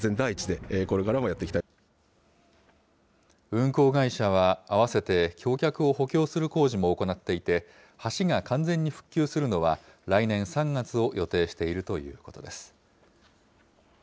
運行会社は、併せて橋脚を補強する工事も行っていて、橋が完全に復旧するのは、来年３月を予定しているということです。